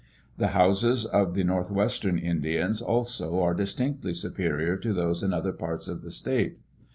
The houses of the northwestern Indians also are distinctly superior to those in other parts of the state.